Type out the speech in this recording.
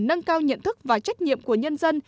nâng cao nhận thức và trách nhiệm của nhân dân